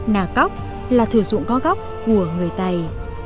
nà cóc là thửa ruộng có góc của người tày